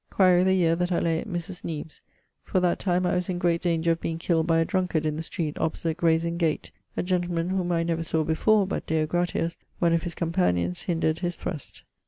Quaere the yeare that I lay at Mris Neve's; for that time I was in great danger of being killed by a drunkard in the street opposite Grayes Inne gate a gentleman whom I never sawe before, but (Deo gratias) one of his companions hindred his thrust.